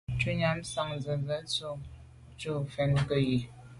Shutnyàm tshan nzenze ntùm njon dù’ fa fèn ke yen i.